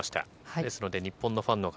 ですので日本のファンの方